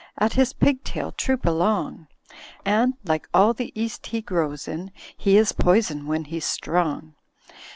At his pig tail troop along. And, like all the East he grows in. He is Poison when he*s strong.